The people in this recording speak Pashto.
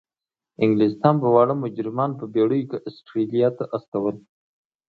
انګلستان به واړه مجرمان په بیړیو کې استرالیا ته استول.